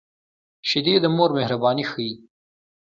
شیدې د مور مهرباني ښيي